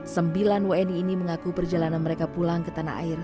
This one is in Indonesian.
sembilan wni ini mengaku perjalanan mereka pulang ke tanah air